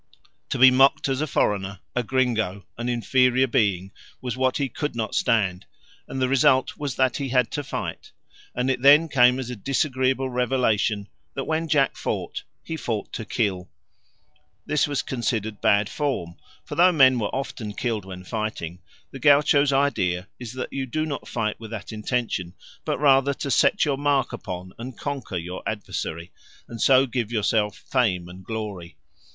To be mocked as a foreigner, a gringo, an inferior being, was what he could not stand, and the result was that he had to fight, and it then came as a disagreeable revelation that when Jack fought he fought to kill. This was considered bad form; for though men were often killed when fighting, the gaucho's idea is that you do not fight with that intention, but rather to set your mark upon and conquer your adversary, and so give yourself fame and glory.